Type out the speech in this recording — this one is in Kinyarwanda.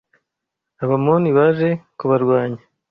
Abamoni baje kubarwanya